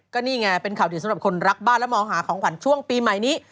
ก็นี่ไงเป็นข่าวดีสำหรับคนรักบ้านและมองหาของขวัญช่วงปีใหม่นี้